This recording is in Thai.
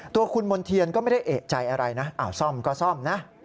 ตัวคุณมณ์เทียนก็ไม่ได้เอกใจอะไรนะซ่อมก็ซ่อมนะ